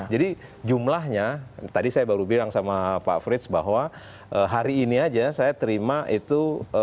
jadi jumlahnya tadi saya baru bilang sama pak frits bahwa hari ini aja saya terima itu dua puluh empat